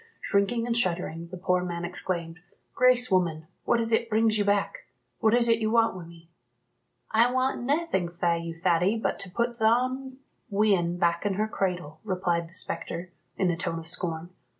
Shrinking and shuddering, the poor man exclaimed, "Grace, woman, what is it brings you back? What is it you want wi' me?" "I want naething fae you, Thady, but to put thon wean back in her cradle," replied the spectre, in a tone of scorn.